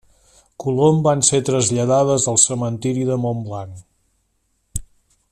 Colom van ser traslladades al cementiri de Montblanc.